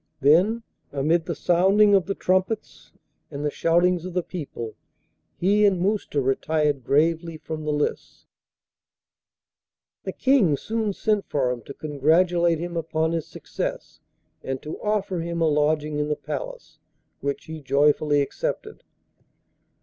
Then, amid the sounding of the trumpets and the shoutings of the people, he and Mousta retired gravely from the lists. The King soon sent for him to congratulate him upon his success, and to offer him a lodging in the Palace, which he joyfully accepted.